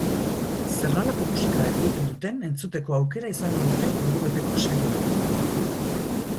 Zer nolako musika egiten duten entzuteko aukera izango dute ordubeteko saioan.